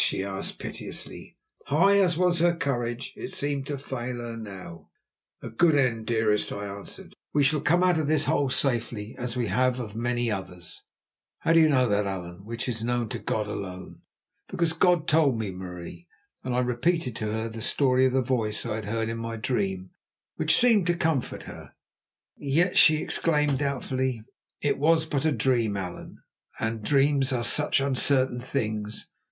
she asked piteously. High as was her courage it seemed to fail her now. "A good end, dearest," I answered. "We shall come out of this hole safely, as we have of many others." "How do you know that, Allan, which is known to God alone?" "Because God told me, Marie," and I repeated to her the story of the voice I had heard in my dream, which seemed to comfort her. "Yet, yet," she exclaimed doubtfully, "it was but a dream, Allan, and dreams are such uncertain things.